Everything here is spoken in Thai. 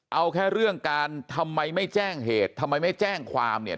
เอาแค่เรื่องการทำไมไม่แจ้งเหตุทำไมไม่แจ้งความเนี่ย